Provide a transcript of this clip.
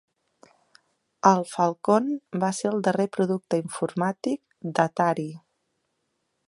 El Falcon va ser el darrer producte informàtic d'Atari.